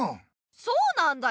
そうなんだよ。